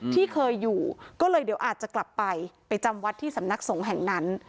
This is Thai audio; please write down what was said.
ที่เคยอยู่ก็เลยเดี๋ยวอาจจะกลับไปไปจำวัดที่สำนักสงฆ์แห่งนั้น